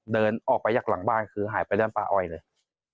เดินออกไปจากหลังบ้านคือหายไปด้านป้าอ้อยเลย